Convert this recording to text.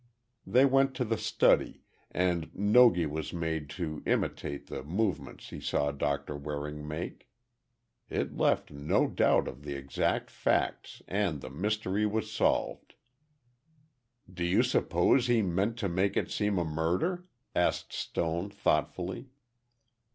They went to the study, and Nogi was made to imitate the movements he saw Doctor Waring make. It left no doubt of the exact facts and the mystery was solved. "Do you suppose he meant to make it seem a murder?" asked Stone, thoughtfully.